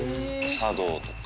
茶道とか。